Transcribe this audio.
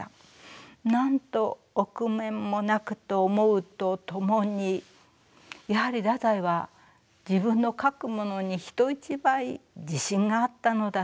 なんと臆面もなくと思うとともにやはり太宰は自分の書くものに人一倍自信があったのだと思いました。